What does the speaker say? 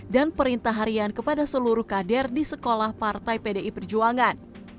dan perintah harian kepada seluruh kader di sekolah partai pdi perjuangan